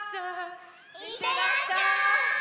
いってらっしゃい。